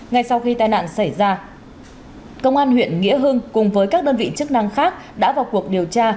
ngay sau khi tai nạn xảy ra công an huyện nghĩa hưng cùng với các đơn vị chức năng khác đã vào cuộc điều tra